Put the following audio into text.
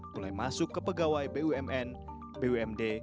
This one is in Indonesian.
mulai masuk ke pegawai bumn bumd